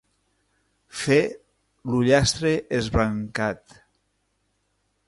Fer l'ullastre esbrancat.